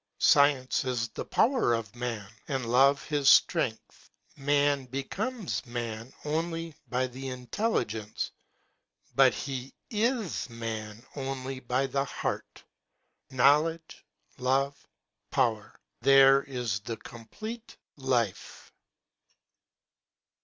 Science is the power of man, and love his strength; man becomes man only by the intelligence, but he is man only by the heart. Knowledge, love, power, —| there is the complete life.